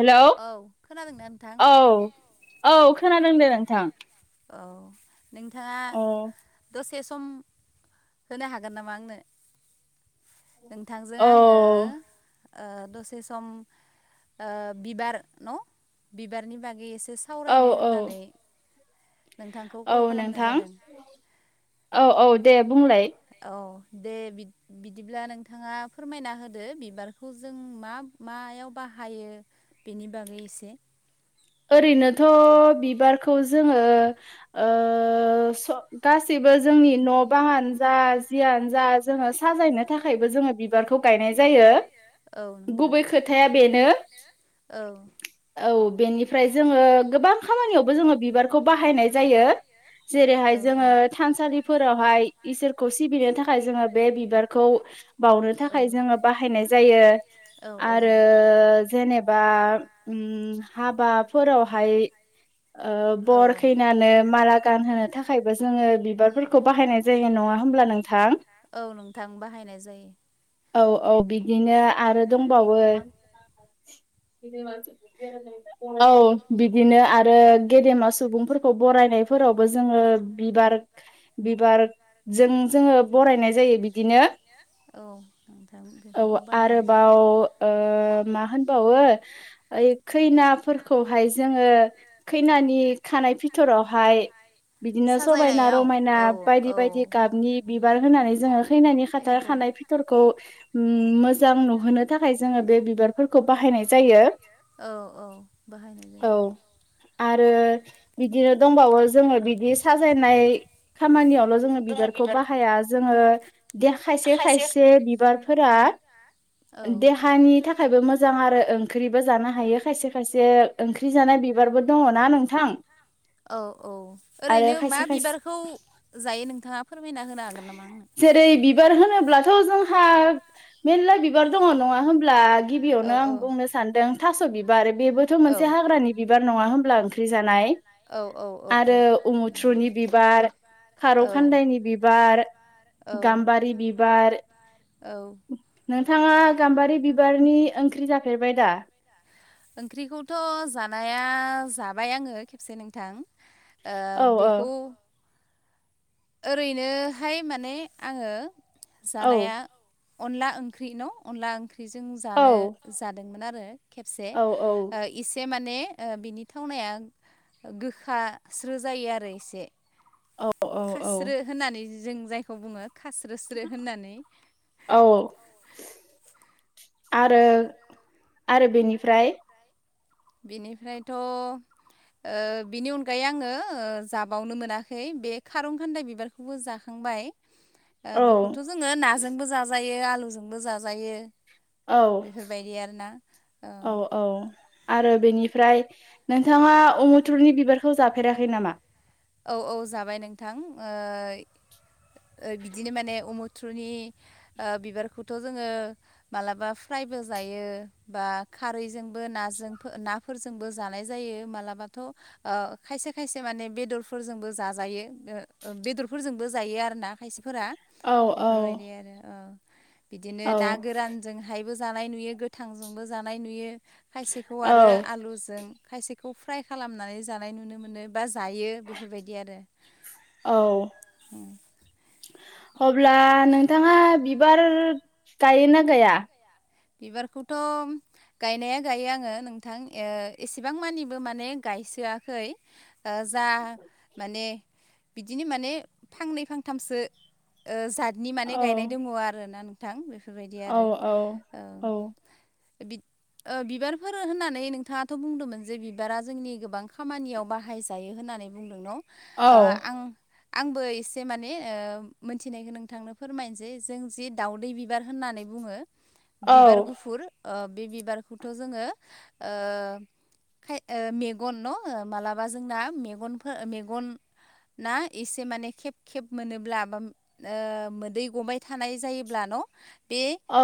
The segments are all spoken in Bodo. हेलौ औ खोनादोंना नोंथां औ औ खोनादों दे नोंथां। औ नोंथाङा औ दसे सम। होनो हागोन नामा आंनो नोंथांजों औ आङो ओ दसे सम ओ बिबार न' बिबारनि बागै एसे औ सावरायनो औ होननानै नोंथांखौ औ कल खालामनाय नोंथां जादों औ औ दे बुंलाय औ दे बिद-बिदिब्ला नोंथाङा फोरमायना होदो बिबारखौ जों मा मायाव बाहायो बेनि बागै इसे ओरैनोथ' बिबारखौ जोङो ओ स गासैबो जोंनि न' बाङानो जा जियानो जा जोङो साजायनो थाखायबो जोङो बि बारखौ गायनाय जायो औ नोंथां गुबै खोथाया बेनो। औ। औ बेनिफ्राय जोङो गोबां खामानियावबो जोङो बिबारखौ बाहायनाय जायो। जेरैहाय जोङो थानसालिफोरावहाय इसोरखौ सिबिनो थाखाय जोङो बे बिबारखौ बावनो थाखाय जोङो बाहायनाय जायो औ आरो जेनेबा उम हाबाफोरावहाय ओ औ बर खैनानो माला गानहोनो थाखायबो जोङो बिबारफोरखौ बाहायनाय जायो नङा होमब्ला नोंथां? औ नोंथां बाहायनाय जायो। औ औ बिदिनो आरो दंबावो [unintelligible] औ बिदिनो आरो गेदेमा सुबुंफोरखौ बरायनायफोरावबो जोङो बिबार बिबारजों जोङो बरायनाय जायो बिदिनो औ नोंथां बे औ आरोबाव ओ मा होनबावो ओइ खैना खैनाफोरखौहाय जोङो खैनानि खानाय फिथरावहाय बिदिनो समायना रमायना बायदि बायदि गाबनि बिबार होनानै जोङो खैनानि खाथार खानाय फिथरखौ मोजां नुहोनो थाखाय जोङो बे बिबारफोरखौ बाहायनाय जायो। औ औ। बाहायनाय औ जायो। आरो बिदिनो दंबावो जोङो बिदि साजायनाय खामानियावल' जोङो बिबारखौ बाहाया जोङो दे खायसे खायसे बिबारफोरा औ देहानि थाखायबो मोजां आरो ओंख्रिबो जानो हायो खायसे खायसे ओंख्रि जानाय बिबारबो दङ ना नोंथां। औ औ आरो ओरैनो मा खायसे खायसे बिबारखौ जायो नोंथाङा फोरमायना होनो हागोन नामा आंनो? जेरै बिबार होनोब्लाथ' जोंहा मेरला बिबार दङ नङा होमब्ला? औ गिबियावनो आं बुंनो सानदों थास' बिबार बेबोथ' औ मोनसे हाग्रानि बिबार नङा होनब्ला [inaudible] [unintelligible] जानाय औ औ। औ आरो नंगौ उमुथ्रुनि नोंथां बिबार, खारौ औ खान्दायनि बिबार औ गाम्बारि बिबार औ नोंथाङा गाम्बारि बिबारनि ओंख्रि जाफेरबाय दा? ओंख्रिखौथ' जानाया जाबाय आङो खेबसे नोंथां। ओ औ औ बेखौ ओरैनोहाय माने आङो औ जानाया अनला ओंख्रि न' अनला ओंख्रिजों औ जानो जादोंमोन आरो। खेबसे औ ओ औ एसे माने बिनि थावनाया गोखास्रो जायो आरो एसे। औ औ औ खास्रो होननानै जों जायखौ बुङो खास्रो स्रो होननानै। औ आरो आरो बेनिफ्राय? बेनिफ्रायथ' ओ बिनि अनगायै आङो जाबावनो मोनाखै बे खारौ खान्दाय बिबारखौबो जाखांबाय। ए औ बेखौथ' जोङो नाजोंबो जाजायो आलुजोंबो जाजायो। औ बेफोरबायदि आरोना औ। औ आरो बेनिफ्राय नोंथाङा अमुथुलनि बिबारखौ जाफेराखै नामा? औ औ जाबाय नोंथां ओ बिदिनो माने उमुथ्रुनि ओ बिबारखौथ' जोङो मालाबा फ्रायबो जायो बा खारैजोंबो नाजोंफो ना फोरजोंबो जानाय जायो मालाबाथ' अ खायसे खायसे माने बेदर फोरजोंबो जाजायो ओ बेदरफोरजोंबो जायो आरोना खायसेफोरा। औ औ बेफोरबायदि आरो औ बिदिनो औ ना गोरान जोंहायबो जानाय नुयो गोथांजोंबो जानाय नुयो खायसेखौ औ आरो आलुजों खायसे खौ फ्राय खालामनानै जानाय नुनो मोनो बा जायो बेफोरबायदि आरो औ उम। अब्ला नोंथाङा बिबार गायोना गाया बिबारखौथ' गायनाया गायो आङो नोंथां ओ एसेबां मानिबो माने गायसोआखै। जा माने बिदिनो माने फांनै फांथामसो ओ जा नि माने औ गायनाय दङ आरोना नोंथां बेफोरबायदि औ आरो औ। बि ओ बिबारफोर होननानै नोंथाङाथ' बुंदोंमोन जे बिबारा जोंनि गोबां खामानियाव बाहायजायो होननानै बुंदों न' ओ औ आं आंबो एसे माने ओ मोनथिनायखौ नोंथांनो फोरमायनोसै जों जि दाउदै बि [unintelligible] होननानै बुङो औ बिबार गुफुर। बे बिबारखौथ' जोङो खाय मेगन न' मालाबा जोंना मेगनफोर मेगन ना एसे माने खेब खेब मोनोब्ला बा ओ मोदै गबाय थानाय जायोब्ला न' बे औ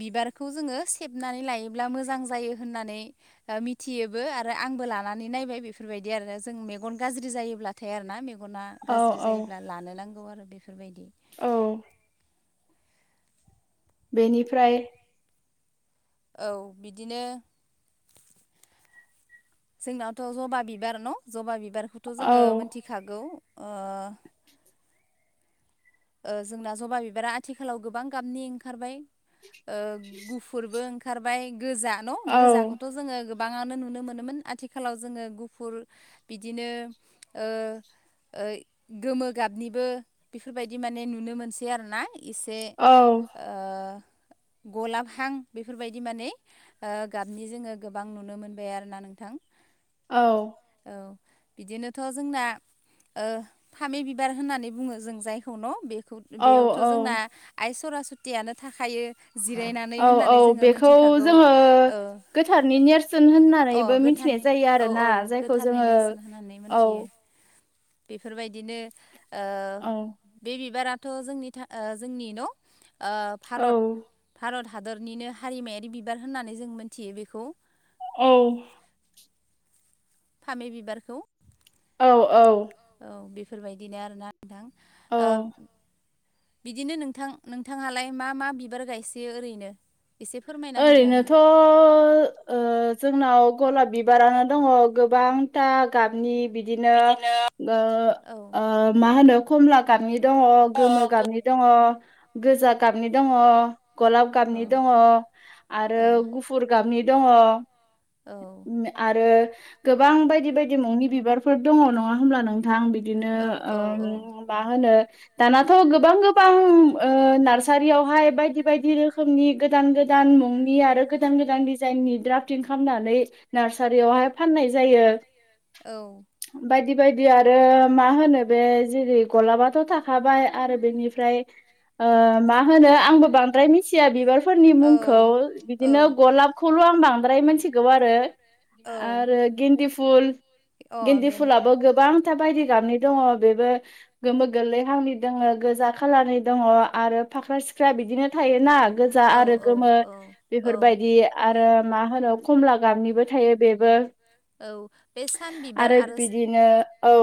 बिबारखौ जोङो सेबनानै लायोब्ला मोजां जायो होननानै मिथियोबो आरो आंबो लानानै नायबाय बेफोरबायदि आरो जों मेगन गाज्रि जायोब्लाथाय आरोना मेगना औ गाज्रि औ जायोब्ला लानो नांगौ आरो बेफोरबायदि। औ बेनिफ्राय औ बिदिनो जोंनावथ' जबा बिबार न' जबा बिबारखौथ' औ जोङो मिथिखागौ। जोंना जबा बिबारा आथिखालाव गोबां गाबनि ओंखारबाय गुफुरबो ओं खारबाय गोजा न' औ गोजाखौथ' जोङो बाङानो नुनो मोनोमोन आथिखालाव जोङो गुफुर बिदिनो गोमो गाबनिबो बेफोरबाय दि माने नुनो मोनसै आरोना एसे औ गलाबहां बेफोरबायदि माने गाबनि जोङो गोबां नुनो मोनबाय आरोना नोंथां। औ औ बिदिनोथ' जोंना फामे बिबार होननानै बुङो जों जाय खौ न' बेखौ औ बेयावथ' जोंना आइ सरासथियानो थाखायो जिरायनानै औ होननानै औ जोङो बेखौ मिथिखागौ जोङो गोथारनि नेरसोन अ होननानैबो गो मिथिनाय थारनि जायो औ आरोना औ जायखौ गोथारनि जोङो नेरसोन होननानै औ मोनथियो। बेफोरबायदिनो औ बे बिबाराथ' जोंनि जोंनि न' औ भारत भारत हादरनिनो हारिमायारि बिबार होननानै जों मोनथियो बेखौ ए फामि बिबारखौ औ औ औ बेफोरबायदिनो आर ना नोंथां औ बिदिनो नोंथां नोंथांहालाय मा मा बिबार गायसोयो ओरैनो? एसे फोरमाय ओरैनोथ' जोंनाव गलाब बिबारानो दङ गोबांथा गाबनि बिदिनो अ मा होनो खमला गाबनि दङ गोमो गो गाबनि दङ गोजा गाबनि दङ गलाब गाबनि दङ आरो औ गुफुर गाबनि दङ औ आरो गोबां बायदि बायदि मुंनि बिबारफोर दङ नङा होमब्ला नों थां बिदिनो औ औ मा होनो दानाथ' गोबां गोबां नार्सारियावहाय बायदि बायदि रोखोमनि गोदान गो दान मुंनि आरो गोदान गोदान दिडिजाइननि द्राफटिं खामनानै नार्सारियावहाय फाननाय जायो। बायदि बायदि आरो मा होनो बे जेरै गलाबाथ' था खाबाय आरो बेनिफ्राय ओ मा होनो आंबो बांद्राय मिथिया बिबारफोरनि मुं खौ औ बिदिनो गलाबखौल' आं बांद्राय मिथिगौ आरो आरो गेन्दि फुल औ गेन्दि फुलाबो गोबां बायदि गाबनि दङ बेबो गोमो गोरलैहांनि दङो गोजा खालारनि दङ आरो फाख्रा सि फ्रा बिदिनो थायोना गोजा आरो गोमो अ बेफोरबायदि आरो मा होनो खमला गामनिबो थायो बेबो औ बे सान बिबार आरो बिदिनो औ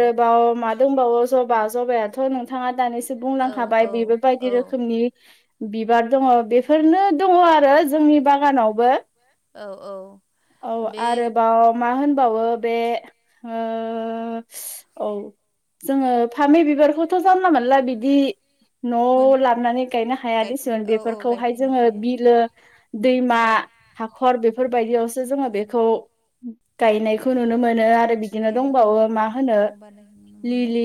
औ मा दंबावो जबा जबायाथ' नोंथाङा दानिसो बुंलांखाबाय बेबोबायदि रोखोमनि बिबार दङो बे नो दङो आरो जोंनि बागानावबो। औ औ औ बे आरो बाव ओ मा होनबावो बे ओ औ जोङो फामि बिबारखौथ' जानला मानला बिदि मोन न'आव लाबनानै गायनो हायादेसोन बेफोरखौहाय जोङो बिलो दैमा हाखर बेफोरबायदियावसो जोङो बेखौ [inaudible] गायनायखौ नुनो मोनो आरो बिदिनो दंबावो मा होनो बारनाय नुनो मोनो लिलि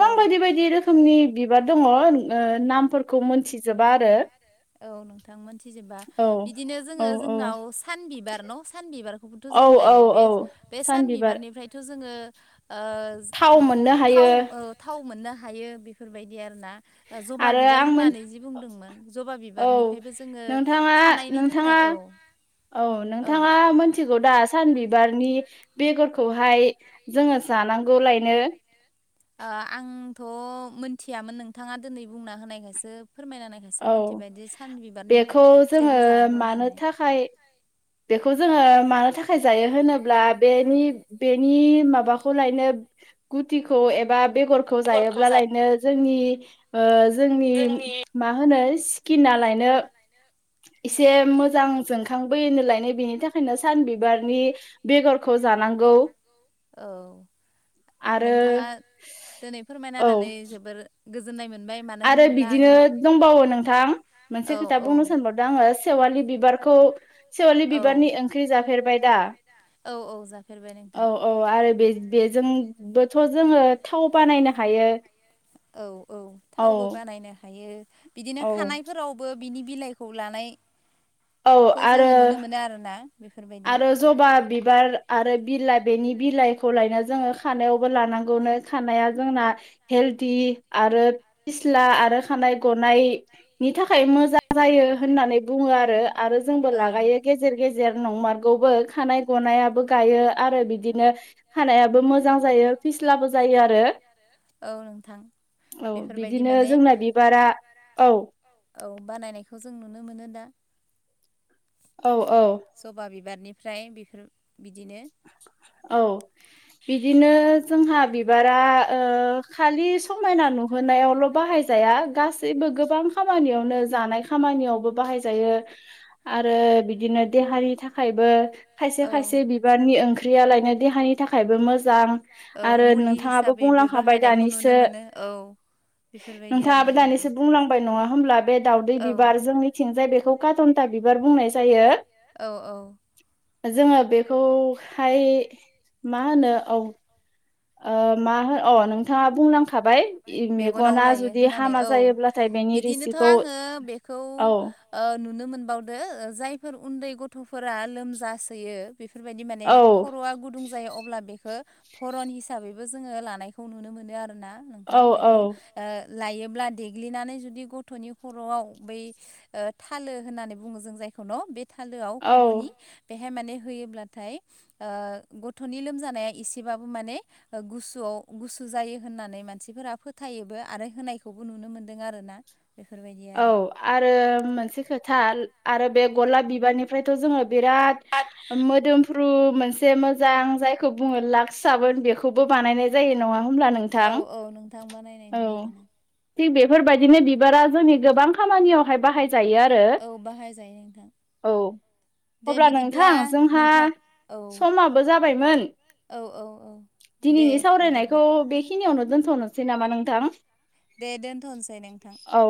औ बायदि बायदि रोखोमनि बिबार दङो ओ नामफोरखौ मोनथिजोबा आरो औ नोंथां मोनथिजोबा औ बिदिनो औ जोङो जोंनाव सान बिबार न' सानबिबारखौ थो औ जों औ गायो औ बे-बे सान बिबारनिफ्रायथ' जोङो ओ ओ थाव मोननो हायो थाव ओ थाव मोननो हायो बेफोरबायदि आरोना। जबा आरो बिबार आं मोन होननानै जि बुंदोंमोन जबा औ बिबारनिफ्रायबो जोङो नोंथाङा खानायनि थाखाय नोंथाङा औ औ नोंथाङा आ मोनथिगौ दा सानबिबारनि बेगरखौहाय जों जानां गौलायनो [inaudible] आ आंथ' मोनथियामोन नोंथाङा दिनै बुंना होनायखायसो फोरमायनाखाय सो औ मोनथिबायदि सान बिबारनि बेखौ जोङो फिथाइखौ जानांगौ मानो होननानै। थाखाय बेखौ जोङो मानो थाखाय जायो होनोब्ला बेनि बेनि माबा- खौ लायनो गुटिखौ एबा बेगरखौ जायोब्ला लायनो जोंनि ओ जोंनि मा होनो सि- गिना लायनो एसे मोजां जोंखांबो लायनो बेनि था- खायनो सानबिबारनि बेगरखौ जानांगौ औ आरो नोंथाङा औ गोजोन्नाय मोनबाय मा- आरो बिदिनो दंबावो नोंथां मोनसे औ खोथा औ बुंनो सानबाव- दों आङो सेवालि बिबारखौ सेवालि बिबारनि ओंख्रि जाफेरबाय दा? औ औ जाफेरबाय नोंथां ओ औ आरो बे-बेजोंबोथ' जोङो थाव बानायनो हायो। औ औ थावबो बानायनो हायो बिदिनो औ खानायफोराव बो बिनि बिलाइखौ लानाय औ खौ जोङो आरो नुनो मोनो आरोना बेफोरबायदि आरो जबा बिबार आरो बिलाइ बेनि बिलाइखौ लायना जोङो खानायावबो लानांगौनो खानाया जोंना हेलदि आरो फिस्ला आरो खानाय गनाय- नि थाखाय मोजां जायो होननानै बुङो आरो आरो जोंबो लागायो। गेजेर गेजेर नंमारगौबो खानाय गनायाबो गायो आरो बिदिनो खानायाबो मोजां जायो फिस्लाबो जायो आरो। औ नोंथां औ बेफोरबायदि बिदिनो जोंना बिबारा औ औ औ बानायनायखौ जों नुनो मोनो दा औ औ जबा बिबारनिफ्राय बेफोर बिदिनो औ बिदिनो जोंहा बिबारा ओ खालिस समायना नुहोनायावल' बाहायजाया गास जैबो गोबां खामानियावनो जानाय खामानियावबो बाहायजायो आरो बिदिनो देहानि थाखायबो औ खायसे- खायसे बिबारनि ओं ख्रियालायनो देहानि थाखायबो मोजां आरो नोंथाङाबो बुंलांखाबाय बाहायनायखौ नुनो दानिसो मोनो औ बेफोरबायदि नोंथाङाबो आरोना दानिसो बुंलांबाय नङा होमब्ला बे दाावदै बिबार जों मिथिंजाय बेखौ काटनथा बिबार बुंनाय जायो औ औ जोङो बेखौहाय मा होनो औ ओ मा होनो अ नों थाङा बुंलांखाबाय इ मेगनाव मेगना लायो जुदि हामा जायोब्लाथाय बेनि रिसिखौ खौ औ ओ नुनो मोनबावदो जायफोर उन्दै गथ'फोरा लोमजासोयो बेफोरबायदि माने औ खर'आ गुदुं जायो अब्ला बेखो भरन हिसाबैबो जोङो लानायखौ नुनो मोनो आरोना नोंथां औ औ बेखौ ओ लायोब्ला देग्लिनानै जुदि गथ'नि खर'आव बै ओ थालो होननानै बुङो जों जायखौ न' बे थालोआव औ खर'नि बेहाय माने होयोब्लाथाय ओ गथ'नि लोमजानाया एसेबाबो माने गुसुआव गुसु जायो होननानै मानसिफोरा फोथायोबो आरो होनायखौबो नुनो मोनदों आरो ना बेफोरबायदि औ आरो आरो मोनसे खोथा आरो बे गलाब बिबारनि फ्रायथ' जोङो बिराद मोदोम फ्रु मोनसे मोजां जायखौ बुङो लाक्स साबोन बेखौबो बानायनाय जायो नङा होमब्ला नों औ औ नोंथां बानायनाय नुनो मोनो थिग बेफोरबायदिनो बिबारा जोंनि गोबां खामानियावहाय बाहाय जायो आरो औ बाहायजायो नोंथां औ दे अब्ला नोंथां बिदिब्ला जोंहा नोंथां औ समाबो जाबायमोन औ औ औ दे दिनिनि सावरायनायखौ बिदिब्ला बेखिनियावनो दोनथ'नोसै नामा नोंथां दे दोनथ'नोसै नोंथां औ